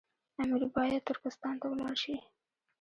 امیر باید ترکستان ته ولاړ شي.